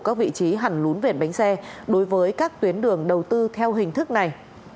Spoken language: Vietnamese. các vị trí hàn lún vệt bánh xe đối với các tuyến đường đầu tư theo hình thức này